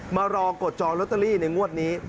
มารอกดจองลอตเตอรี่ในงวดนี้